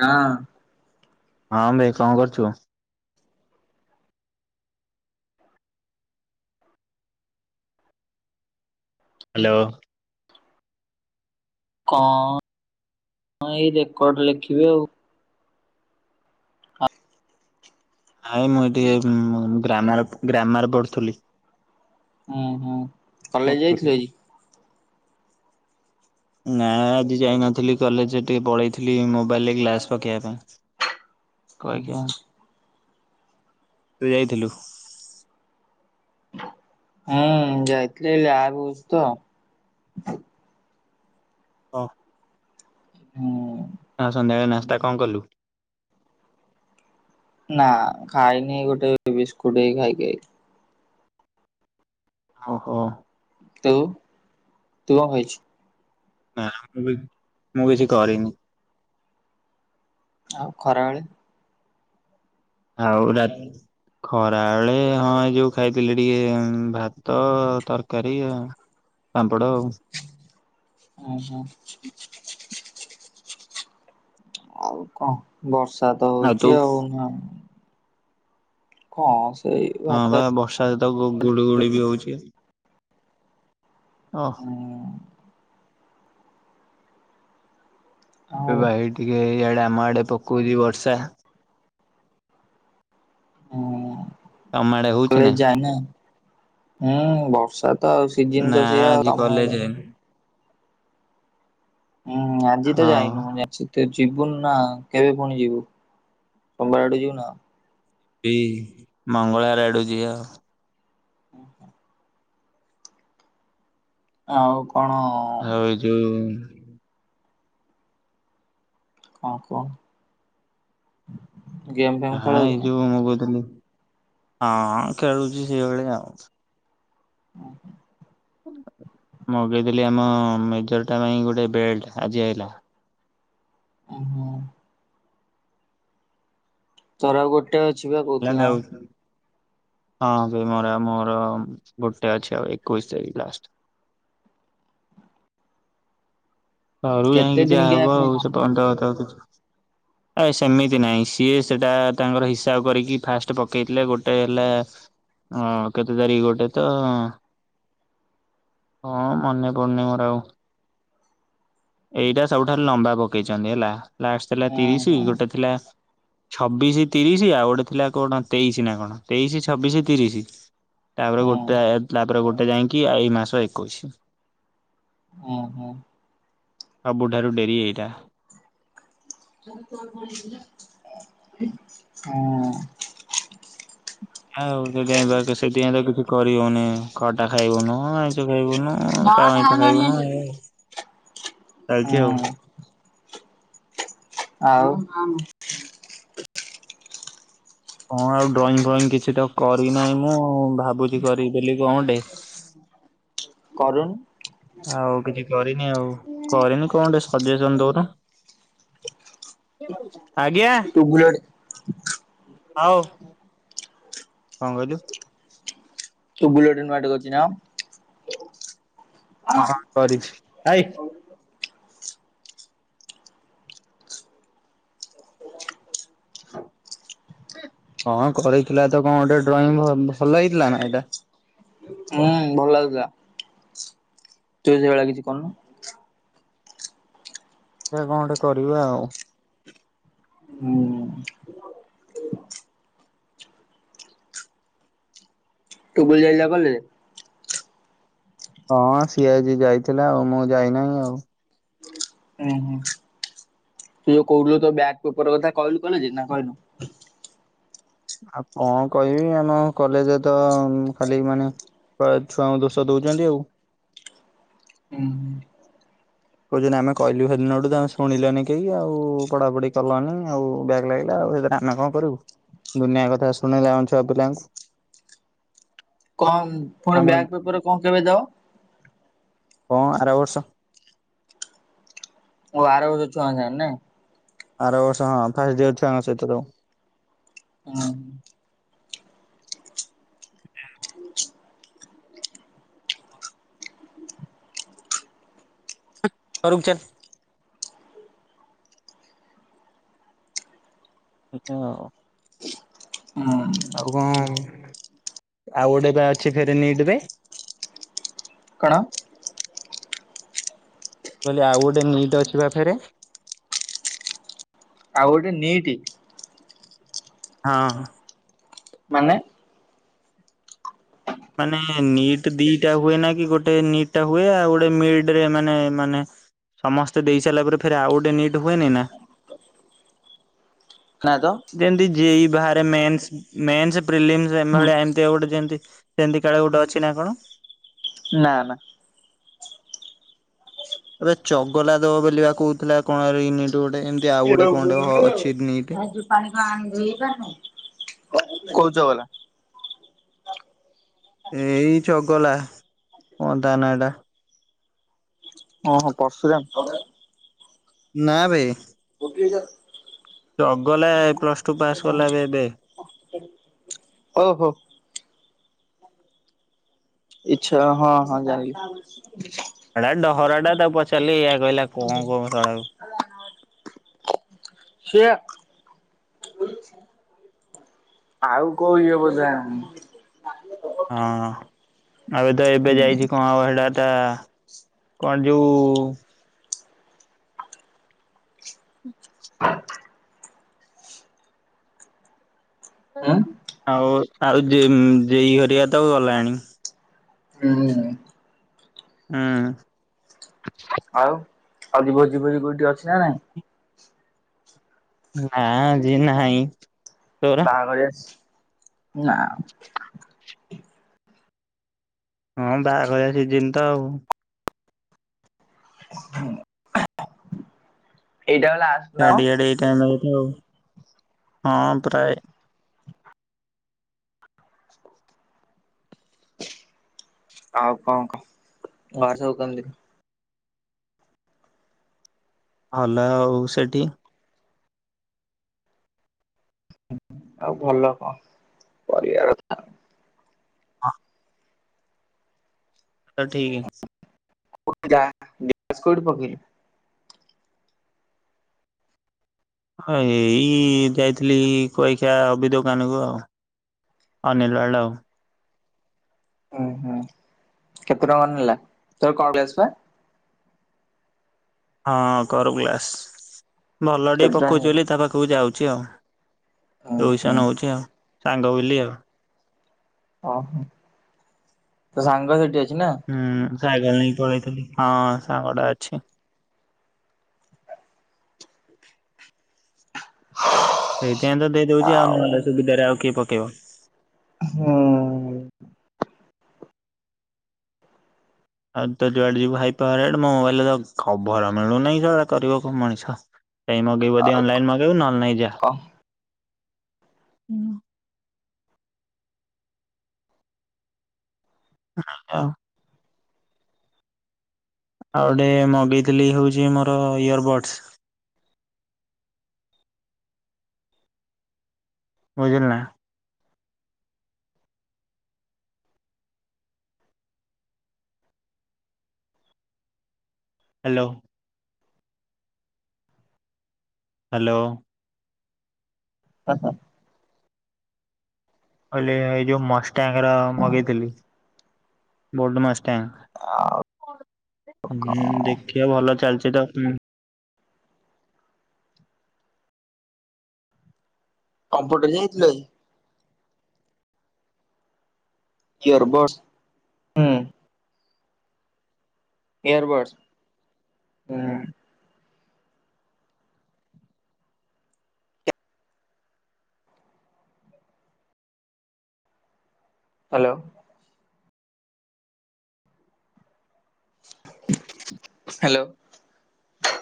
ହଁ। ହଁ ବେ କଣ କରୁଛୁ? ହ୍ୟାଲୋ? କଣ ଏଇ ରେକର୍ଡ ଲେଖିବି ଆଉ। ଆାଇ ମୁଁ ଏ ଟିକେ ଗ୍ରାମ-ଗ୍ରାମାର ପଢୁଥିଲି। ଓ ହୋ। [unintelligible] ନା ଆଜି ଯାଇନଥିଲି କଲେଜ ଟିକେ ପଳେଇଥିଲି ମୋବାଇଲରେ ଗ୍ଲାସ ପକେଇବା ପାଇଁ। କୁଆଖିଆ, ହୁଁ ତୁ ଯାଇଥିଲୁ? ହୁଁ ଯାଇଥିଲି ଲ୍ୟାବ୍ ହଉଛି ତ। ହଉ। ହୁଁ। ଆଉ ସନ୍ଧ୍ୟାବେଳେ ନାସ୍ତା କଣ କଲୁ? ନା ଖାଇନି ଗୋଟେ ବିସ୍କୁଟ ହେଇ ଖାଇକି ଆଇଲି। ଓହୋ। ତୁ, ତୁ କଣ ଖାଇଛୁ? ନା, ମୁଁ ବି ମୁଁ କିଛି କରିନି। ଆଉ ଖରାବେଳେ? ଆଉ ରା ଖରା ବେଳେ ହଁ ଏ ଯୋଉ ଖାଇଥିଲି ଟିକେ ଭାତ ତରକାରୀ ଆ ପାମ୍ପଡ଼ ଆଉ। ଓ ହୋ। ଆଉ କଣ, ବର୍ଷା ତ ହଉଚ ଆଉ ନା। କଁ ସେଇ ହଁ ଭାତ ବା ବର୍ଷା ସହିତ ଗୁଳି ଗୁଳି ବି ହଉଛି। ଆଉ ଏଇବା ହେଇ ଟିକେ ଇଆଡେ ଆମ ଆଡେ ପକଉଛି ବର୍ଷା। ହୁଁ ତମ ଆଡେ ହଉଛି ନା? କଲେଜ ଯାଏନା, ହୁଁ ବର୍ଷା ତ ଆଉ ସିଜିନ ନା ତ ସେଆ ଆଜି ତମ କଲେଜ ଆଡେ ଯାଇନି। ହୁଁ ଆଜି ତ ହଁ। ଯାଇନୁ ମୁଁ ଜାଣିଛି। ତ ଯିବୁନି ନା କେବେ ପୁଣି ଯିବୁ ସୋମବାର ଆଡେ ଯିବୁ ନା? ଏଇ ମଙ୍ଗଳାଆର ଆଡୁକୁ ଯିବା ଆଉ। ହୁଁ ହୁଁ। ଆଉ କଣ ଆଉ ଏ ଯୋଉ କଁ କୁହ? ଗେମ୍ ଫେମ୍ ହଁ ଖେଳ ହଉଛି ଏଇ ନା? ଯୋଉ ମୁଁ କହୁଥିଲି ହଁ ଖେଳୁଛି ସେଇଭଳିଆ ଆଉ। ମଗେଇଥିଲି ଆମ ମେଜର ଟା ପାଇଁ ଗୋଟେ ବେଲ୍ଟ ଆଜି ଆଇଲା। ଓହୋ। ତୋର ଆଉ ଗୋଟ ଟେ ଅଛି ବା କହୁଥିଲ ହେଲାନି ଆଉ। ହଁ ସିଏ ମୋର ମୋର ଗୋଟେ ଅଛି ଆଉ ଏକୋଇଶ ତାରିଖ ଲାଷ୍ଟ। ଘରୁ କେତେ ଯାଉଁକି ଦିଆ ହବ ଆଉ ସେ ଫୋନ୍ ରେ କଥା [unintelligible] ହ ନାଇଁ ସେମିତି ନାହିଁ ସିଏ ସେଟା ତାଙ୍କର ହିସାବ କରିକି ଫାଷ୍ଟ ପକେଇଥିଲେ ଗୋଟେ ହେଲା ହଁ କେତେ ତାରଖ ଗୋଟେ ତ ହଁ ମନେ ପଡୁନି ମୋର ଆଉ। ଏଇଟା ସବୁଠାରୁ ଲମ୍ବା ପକେଇଛନ୍ତି ହେଲା ଲାଷ୍ଟ ଥିଲା ହୁଁ ତିରିଶ ହୁଁ ହୁଁ ଗୋଟେ ଥିଲା ଛବିଶ ତିରିଶି ଆଉ ଗୋଟେ ଥିଲା କଣ ତେଇଶି ନା କଣ ତେଇଶି ଛବିଶ ତିରିଶି। ତାପରେ ଗୋଟେ ତାପରେ ଗୋଟେ ଯାଇଁକି ଏଇ ମାସ ଏକୋଇଶି ହଁ ହଁ। ସବୁଠାରୁ ଡେରି ଏଇଟା। ହଁ। ଆଉ ଯଦି [unintelligible] ସେଥିପାଇଁ ତ କିଛି କରିହଉନି ଖଟା ଖାଇବୁନୁ ଆଇଁସ ଖାଇବୁନୁ ଅଁ କାହା ଅଇଁଠା ଖାଇବୁନୁ ଇଏ ହଁ। ଆଉ ହଁ ଆଉ ଡ୍ରଇଙ୍ଗ ଫ୍ରଇଙ୍ଗ କିଛି ତ କରିନାହିଁ ମୁଁ ଭାବୁଛି କରିବି ବୋଲି କଣଟେ। କରୁନୁ? ଆଉ କିଛି କରିନି ଆଉ କରିନି କଣ ଟେ ସଜେସନ ଦଉନୁ? ଆଜ୍ଞା। ଟୁବୁଲେଟ ହଉ କଣ କହିଲୁ? ତୁ [unintelligible] କରଛି ନା! ହଁ ହଁ କରିଛି ଭାଇ ହଁ କରିଥିଲା ତ କଣ ଗୋଟେ ଡ୍ରଇଂ ଭଲ, ଭଲ ହେଇଥିଲା ନା ଏଇଟା? ହୁଁ ଭଲ ଲାଗୁଥିଲା ତୁ ସେଇଭଳିଆ କିଛି କରୁନୁ। [unintelligible] କଣ ଗୋଟେ କରିବା ଆଉ ହୁଁ। ତୁ ବୁଲିଆକୁ ସିନା ଗଲେ ହଁ ସିଏ ଆଜି ଯାଇଥିଲା ଆଉ ମୁଁ ଯାଇନାଇ ଆଉ। ଉଁ ହୁଁ ତୁ ଯୋଉ କହୁଥିଲୁ ତୋ ବ୍ୟାକ ପେପର କଥା କହିଲୁ କଣ ଏ ଯାଏଁ ନା କହିନୁ? ଆଉ କଣ କହିବି ଆମ କଲେଜରେ ତ ଖାଲି ମାନେ [unintelligible] ଛୁଆଙ୍କୁ ଦୋଷ ଦଉଛନ୍ତି ଆଉ। ଉଁ ହୁଁ। କହୁଛନ୍ତି ଆମେ କହିଲୁ ସେଦିନଠୁ ତମେ ଶୁଣିଲନି କେଇ ଆଉ ପଢାପଢି କଲନି ଆଉ ବ୍ୟାକ ଲାଗିଲା ଆଉ ସେ [unintelligible] ନା କଁ କରିବୁ ଦୁନିଆ କଥା ଶୁଣେଇଲା ଆମ ଛୁଆ ପିଲାଙ୍କୁ। କଁ ପୁଣି ଆମ ବ୍ୟାଗ ପେପରରେ କଁ କେବେ ଯାଅ? କଁ ଆର ବର୍ଷ ଓ ଆର ବର୍ଷ ଛୁଆଙ୍କ ସାଙ୍ଗେ ନାଇଁ। ଆର ବର୍ଷ ହଁ ଫାଷ୍ଟ ଡିଅ ଛୁଆ ଙ୍କ ସହିତ ସବୁ। ହଁ। [unintelligible] ଏୟା ଆଉ। ଉଁ। ଆଉ କଁ ଆଉ ଗୋଟେ ପା ଅଛି ଫେରେ ନିଡ ରେ। କଣ? କହିଲି ଆଉ ଗୋଟେ ନିଟ୍ ଅଛି ବା ଫେରେ। ଆଉ ଗୋଟେ ନୀଟ୍। ହଁ। ମାନେ ମାନେ ନିଟ୍ ଦିଟା ହୁଏ ନା କି ଗୋଟେ ନିଟ୍ ଟା ହୁଏ ଆଉ ଗୋଟେ ମିଡରେ ମାନେ ମାନେ ସମସ୍ତେ ଦେଇସାଇଲା ପରେ ଫେରେ ଆଉ ଗୋଟେ ନିଟ୍ ହୁଏନି ନା। ନାଁ ତ। ଯେମତି ଯେ ଇ ବାହାରେ ମେନସ୍ ମେନ୍ସ ପ୍ରିଲିମ ଏମ ହୁଁ ଭଳିଆ ଏମତି ଗୋଟେ ଯେମତି ସେମିତି କାଳେ ଗୋଟେ ଅଛି ନା କଣ? ନା ନା। ଆବେ ଚଗଲା ଦବ ବଲି ବା କହୁଥିଲା କଣ ନିଟ ଗୋଟେ ଏମିତି ଆଉ ଗୋଟେ କଣ ଗୋଟେ ଅଛିି ନୀଟ୍। କୋଉ ଚଗଲା? ଏଇ ଚଗଲା, କଣ ତା ନାଁ ଟା। ହଁ ହଁ ପଶୁରା [unintelligible] ନା ବେ। [unintelligible] ଚଗଲା ଏ ପ୍ଲସ ଟୁ ପାସ୍ କଲା ଏ ଏବେ। ଓହୋ। ଇଛା ହଁ ହଁ ଜାଣିଲି। ହେଟା ଡହରା ଟା ତାକୁ ପଚାରିଲି ଏଇଆ କହିଲା କଁ କହିବୁ ଶଳା କୁ। ସି ଆ। [unintelligible] ଆଉ କୋଉ ଇଏ ବୋଧେ ଏ। ହଁ ଏବେ ତ ଏବେ ଯାଇଛି କଁ ହବ ହେଟା ଟା କଣ ଯୋଉ ହୁଁ। ଉଁ ଆଉ ଆଉ ଯେଇ ହରିକା ତ ଗଲାଣି। ହୁଁ। ଉଁ। ଆଉ ଆଜି ଭୋଜି ଫୋଜି କୋଉଠି ଅଛି ନା ନାଇଁ? ନା ଆଜି ନାହିଁ। ତୋର ବାହାଘରିଆ ସ ନା। ହଁ ବାହାଘରିଆ ସିଜିନି ତ ଆଉ। ଏଇଟା ପା ଲା ଚାଡି ଆଡେ ଏଇ ଟାଇମ୍ ହେଇଚି ଆଉ ହଁ ପ୍ରାୟ ଆଉ କଂ କହ ଘାରେ ସବୁ କେମଦି? ଭଲ ଆଉ ସେଟି ଆଉ ଭଲ କ କରିବା ଆଉ। ହଁ ତ ଠିକି। [unintelligible] ହଁ ଏଇ ଯାଇଥିଲି କଇଖିଆ ଅବି ଦୋକାନ କୁ ଆଉ। ଅନିଲ ଆଡ଼େ ଆଉ। ଉଁ ହୁଁ କେତେ ଟଙ୍କା ନେଲା ତୋର କଣ ଗ୍ଲେସ ବା। ହଁ କର ଗ୍ଲାସ୍ ଭଲ କେତେ ଡି ଟଙ୍କା ପକଉଛି ନେଲା ବୋଲି ତା ପାଖକୁ ଯାଉଛି ଆଉ। ହୁଁ ଦୋଇସା ହୁଁ ନଉଛି ଆଉ ସାଙ୍ଗ ବୁଲି ଆଉ। ଓହୋ ତୋ ସାଙ୍ଗ ସେଠି ଅଛି ନା। ହୁଁ ସାଇକଲ ନେଇକି ପଳେଇଥିଲି ହଁ ସାଙ୍ଗଟା ଅଛି। [inaudible] ସେଇଥିପାଇଁ ତ ଦେଇଦଉଛି ଆଉ ନହେଲେ ସୁବିଧାରେ ଆଉ କିଏ ପକେଇବ। ହୁଁ। ଆଉ ତ ଯୁଆଡେ ଯିବୁ ହାଇ ପାୱରେଡ ମୋ ମୋବାଇଲରେ ତ କଭର ମିଳୁନି ସ ଆ କରିବ କ ମଣିଷ। କାଇଁ ମଗେଇବୁ ଯଦି ଆଉ ଅନଲାଇନ ମଗେଇବୁ ନହେଲେ ନାଇ ଯା। କଣ [unintelligible] ଆଉ ଗୋଟେ ମଗେଇଥିଲି ହୋଉଚୀ ମୋର ଇୟର ବଡସ୍। ବୁଝିଲୁ ନା। ହ୍ୟାଲୋ। ହାଲୋ। ହଁ ହଁ। ମୁଁ କହିଲି ଏଇ ଯୋଉ ମଷ୍ଟାଙ୍କର ମଗେଇଥିଲି ବୋଲ୍ଡ ମଷ୍ଟଙ୍ଗ। ହୁଁ ଦେଖିଆ ଭଲ ଚାଲିଛି ତ ହୁଁ। କମ୍ପ୍ୟୁଟର ଯାଇଥିଲୁ ଆଜି? ଇୟରବଡସ୍‌ ହୁଁ। ଇୟରବଡସ୍‌ ହୁଁ। ହ୍ୟାଲୋ। ହାଲୋ।